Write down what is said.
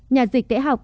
nhà dịch tễ học